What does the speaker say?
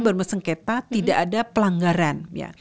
bermesengketa tidak ada pelanggaran